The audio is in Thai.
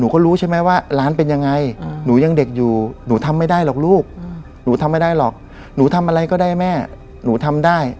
ก็พอหลังจากนั้นมา